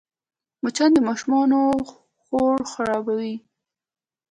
مچان د ماشومانو خوړ خرابوي